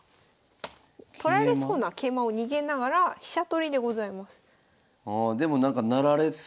取られそうな桂馬を逃げながら飛車取りでございます。